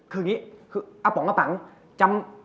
คือนี้อป๋องกับปังจำ